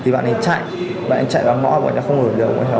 bạn ấy chạy vào ngõ